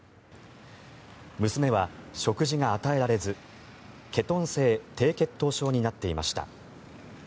娘は食事が与えられずケトン性低血糖症になっていました。